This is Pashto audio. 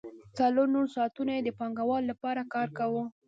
څلور نور ساعتونه یې د پانګوال لپاره کار کاوه